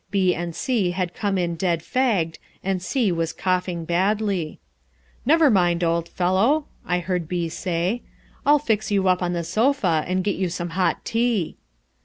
B and C had come in dead fagged and C was coughing badly. "Never mind, old fellow," I heard B say, "I'll fix you up on the sofa and get you some hot tea."